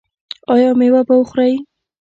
ایا میوه به خورئ؟